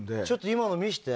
今の見せて。